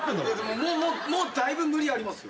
もうだいぶ無理ありますよ。